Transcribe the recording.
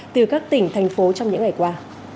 từ các tỉnh thành phố trong những ngày qua